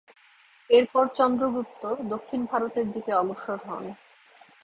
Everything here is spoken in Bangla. এরপর চন্দ্রগুপ্ত দক্ষিণ ভারতের দিকে অগ্রসর হন।